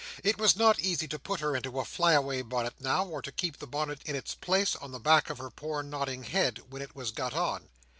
It was not easy to put her into a fly away bonnet now, or to keep the bonnet in its place on the back of her poor nodding head, when it was got on.